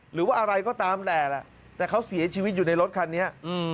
หรือว่าอะไรก็ตามแหละแต่เขาเสียชีวิตอยู่ในรถคันนี้